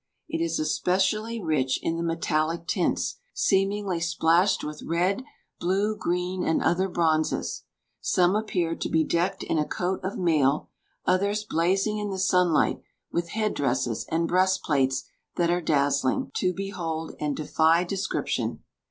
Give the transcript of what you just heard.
It is especially rich in the metallic tints, seemingly splashed with red, blue, green, and other bronzes. Some appear to be decked in a coat of mail, others blazing in the sunlight with head dresses and breast plates that are dazzling to behold and defy description.